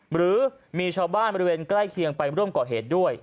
หรือมีชาวบ้านบริเวณใกล้เคียงไปร่วมก่อเหตุด้วย